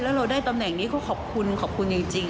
แล้วเราได้ตำแหน่งนี้ก็ขอบคุณขอบคุณจริง